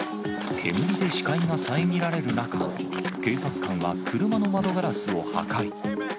煙で視界が遮られる中、警察官は車の窓ガラスを破壊。